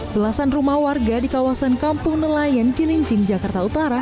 belasan rumah warga di kawasan kampung nelayan cilincing jakarta utara